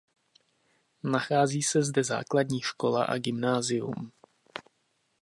Nachází se zde základní škola a gymnázium.